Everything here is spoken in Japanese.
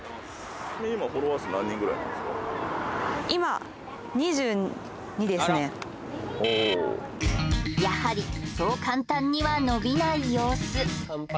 今やはりそう簡単には伸びない様子